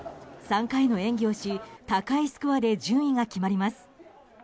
３回の演技をし高いスコアで順位が決まります。